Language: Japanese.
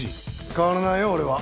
変わらないよ俺は。